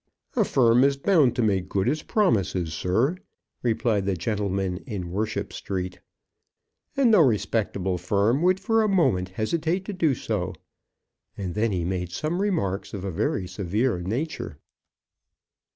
"A firm is bound to make good its promises, sir," replied the gentleman in Worship Street. "And no respectable firm would for a moment hesitate to do so." And then he made some remarks of a very severe nature.